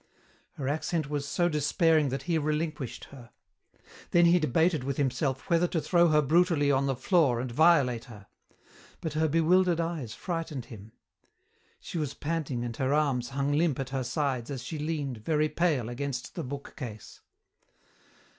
Her accent was so despairing that he relinquished her. Then he debated with himself whether to throw her brutally on the floor and violate her. But her bewildered eyes frightened him. She was panting and her arms hung limp at her sides as she leaned, very pale, against the bookcase.